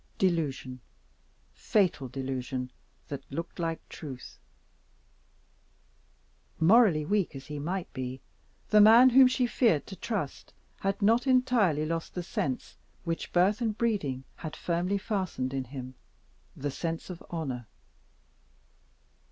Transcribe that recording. Delusion fatal delusion that looked like truth! Morally weak as he might be, the man whom she feared to trust had not yet entirely lost the sense which birth and breeding had firmly fastened in him the sense of honor.